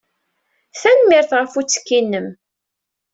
Tanemmirt ɣef uttekki-nnem.